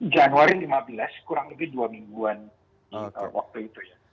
januari lima belas kurang lebih dua mingguan waktu itu ya